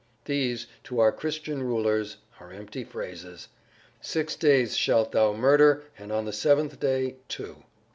These, to our Christian rulers, are empty phrases. "Six days shalt thou murder and on the seventh day, too."